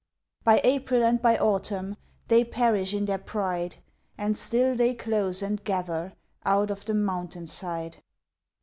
By April and by autumn They perish in their pride, And still they close and gather Out of the mountain side.